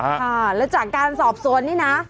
ค่ะแล้วจากการสอบสวนนี่นะ